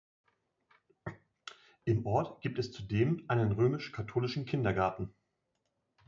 Im Ort gibt es zudem einen römisch-katholischen Kindergarten.